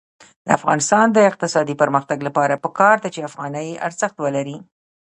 د افغانستان د اقتصادي پرمختګ لپاره پکار ده چې افغانۍ ارزښت ولري.